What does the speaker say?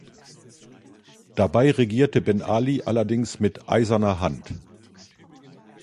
Dabei regierte Ben Ali allerdings mit eiserner Hand.